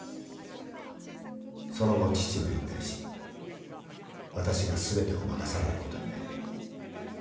［その後父は引退し私が全てを任されることになり］